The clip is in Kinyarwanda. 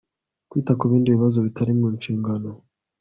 Kwita ku bindi bibazo bitari mu nshingano